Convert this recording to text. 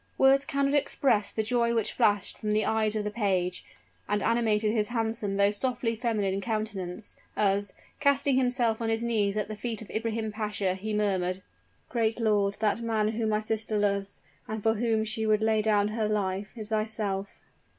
Words cannot express the joy which flashed from the eyes of the page, and animated his handsome though softly feminine countenance, as, casting himself on his knees at the feet of Ibrahim Pasha, he murmured, "Great lord, that man whom my sister loves, and for whom she would lay down her life, is thyself!"